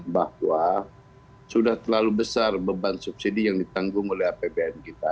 bahwa sudah terlalu besar beban subsidi yang ditanggung oleh apbn kita